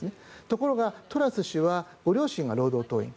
ところがトラス氏はご両親が労働党員。